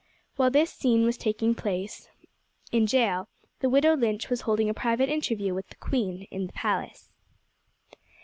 While this scene was taking place in the jail, the widow Lynch was holding a private interview with the queen in the palace.